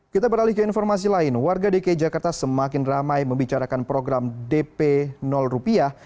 kita beralih ke informasi lain warga dki jakarta semakin ramai membicarakan program dp rupiah